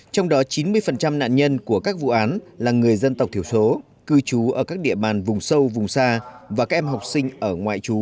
trong đó chín mươi nạn nhân của các vụ án là người dân tộc thiểu số cư trú ở các địa bàn vùng sâu vùng xa và các em học sinh ở ngoại trú